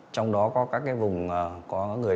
trong đó có các vùng có người